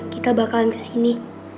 kita bakalan kesini